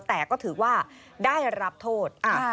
แต่ก็ถือว่าได้รับโทษ